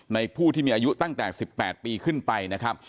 ผู้ที่มีอายุตั้งแต่๑๘ปีขึ้นไปนะครับ